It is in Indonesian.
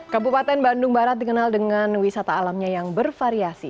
kabupaten bandung barat dikenal dengan wisata alamnya yang bervariasi